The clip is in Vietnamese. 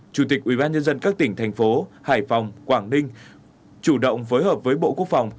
ba chủ tịch ủy ban nhân dân các tỉnh thành phố hải phòng quảng ninh chủ động phối hợp với bộ quốc phòng